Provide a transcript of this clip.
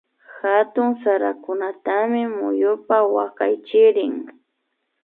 Hatun sarakunatami muyupa wakaychirin